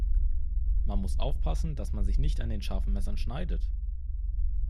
Man muss aufpassen, dass man sich nicht an den scharfen Messern schneidet.